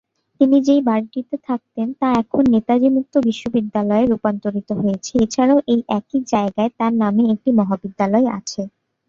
তিনি যেই বাড়িটিতে থাকতেন তা এখন নেতাজী মুক্ত বিশ্ববিদ্যালয়ে রূপান্তরিত হয়েছে, এছাড়াও এই একই জায়গায় তার নামে একটি মহাবিদ্যালয় আছে।